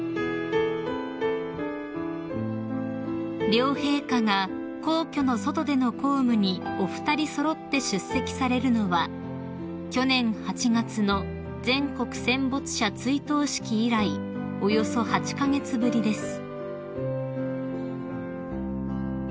［両陛下が皇居の外での公務にお二人揃って出席されるのは去年８月の全国戦没者追悼式以来およそ８カ月ぶりです］